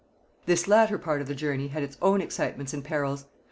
] This latter part of the journey had its own excitements and perils.